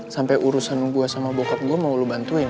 sampai urusan gue sama bocor gue mau lo bantuin